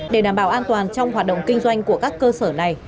để đảm bảo an toàn trong hoạt động kinh doanh của các cơ sở này